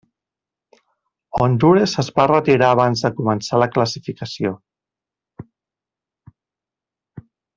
Hondures es va retirar abans de començar la classificació.